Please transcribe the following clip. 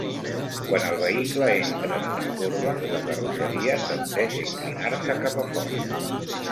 Quan el vehicle entra en una corba, la carrosseria tendeix a inclinar-se cap a fora.